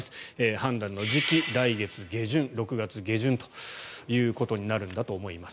判断の時期、来月下旬６月下旬ということになるんだと思います。